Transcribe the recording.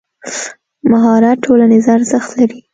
مهارت ټولنیز ارزښت لري.